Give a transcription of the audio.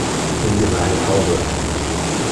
Nimm dir mal eine Pause!